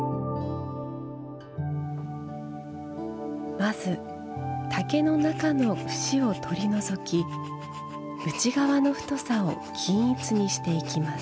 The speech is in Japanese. まず竹の中の節を取り除き内側の太さを均一にしていきます。